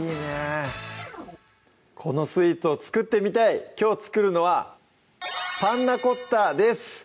このスイーツを作ってみたいきょう作るのは「パンナコッタ」です